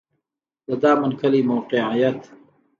د دامن کلی موقعیت